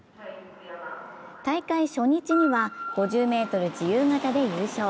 大会初日には５０ｍ自由形で優勝。